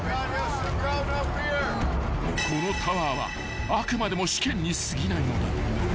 ［このタワーはあくまでも試験にすぎないのだ］